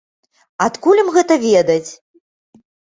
Адкуль ім гэта ведаць?